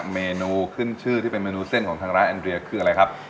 เมนูขึ้นชื่อที่เป็นเมนูเส้นของทางร้านแอนเรียคืออะไรครับ